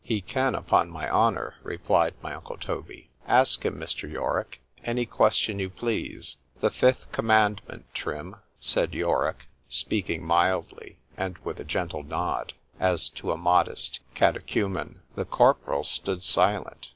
He can, upon my honour, replied my uncle Toby.—Ask him, Mr. Yorick, any question you please.—— —The fifth Commandment, Trim,—said Yorick, speaking mildly, and with a gentle nod, as to a modest Catechumen. The corporal stood silent.